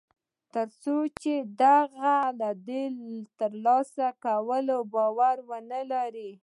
تر څو چې د هغه د تر لاسه کولو باور و نهلري